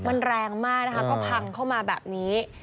มันแรงมากนะคะก็พังเข้ามาแบบนี้